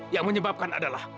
yang menyebabkan adalah